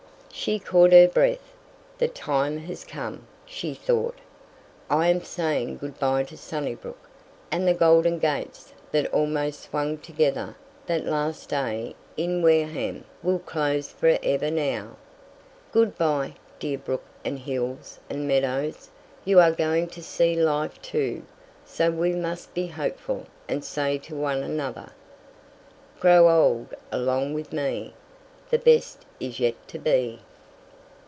She caught her breath. "The time has come!" she thought. "I am saying good by to Sunnybrook, and the golden gates that almost swung together that last day in Wareham will close forever now. Good by, dear brook and hills and meadows; you are going to see life too, so we must be hopeful and say to one another: "'Grow old along with me, The best is yet to be.'"